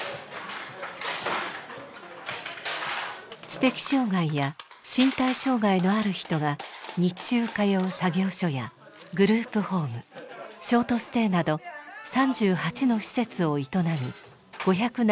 知的障害や身体障害のある人が日中通う作業所やグループホームショートステイなど３８の施設を営み５７０人を支えています。